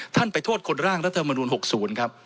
ไปโทษคนร่างรัฐมนุน๖๐ครับ